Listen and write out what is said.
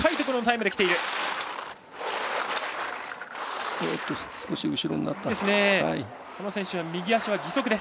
この選手は右足は義足。